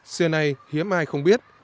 xưa nay hiếm ai không biết